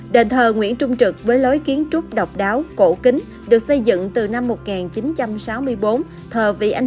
đền thờ nguyễn trung trực với lối kiến trúc độc đáo cổ kính được xây dựng từ năm một nghìn chín trăm sáu mươi bốn thờ vị anh